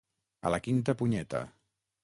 A la quinta punyeta.